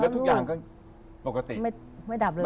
ทุกอย่างก็ปกติไม่ดับเลย